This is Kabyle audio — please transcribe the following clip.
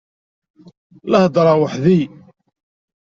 La heddṛeɣ weḥd-i.